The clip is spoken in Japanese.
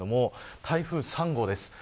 台風３号です。